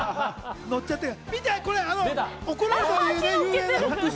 見てこれあの怒られたという有名な。